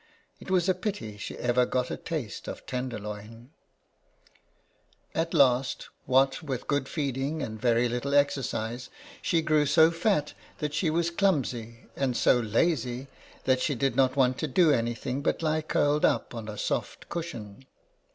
It was a pity she ever got a taste of tenderloin !" At last, what with good feeding and very little exercise, she grew so fat that she was clumsy, and so lazy that she did 1 8 INTRODUCTION. not want to do any thing but lie curled up on a soft cushion.